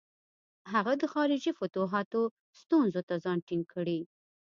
هغه د خارجي فتوحاتو ستونزو ته ځان ټینګ کړي.